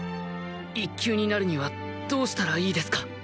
１級になるにはどうしたらいいですか？